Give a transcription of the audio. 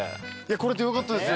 来れてよかったです。